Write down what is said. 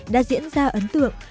đã diễn ra ấn tượng